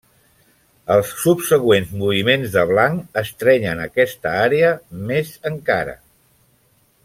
Els subsegüents moviments de blanc estrenyen aquesta àrea més encara.